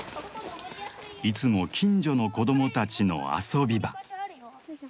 いつも近所の子供たちの遊び場。